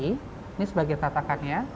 ini sebagai tatakannya